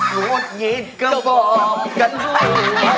โหดยีดก็บอกกันไป